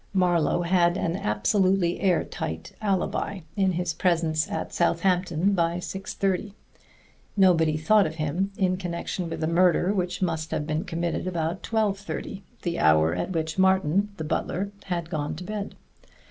Marlowe had an absolutely air tight alibi in his presence at Southampton by six thirty; nobody thought of him in connection with a murder which must have been committed after twelve thirty the hour at which Martin, the butler, had gone to bed.